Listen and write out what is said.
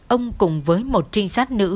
ông cùng với một trinh sát nữ